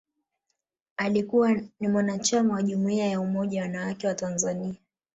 Alikuwa ni mwanachama wa Jumuiya ya Umoja Wanawake wa Tanzania